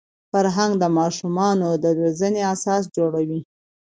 فرهنګ د ماشومانو د روزني اساس جوړوي.